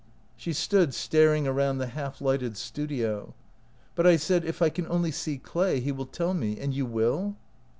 She stood staring around the half lighted studio. " But I said, ' If I can only see Clay, he will tell me.' And you will